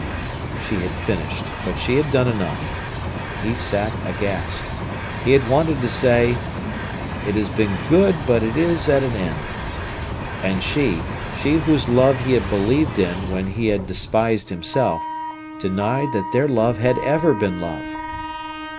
She had finished, but she had done enough. He sat aghast. He had wanted to say: "It has been good, but it is at an end." And she—she whose love he had believed in when he had despised himself—denied that their love had ever been love.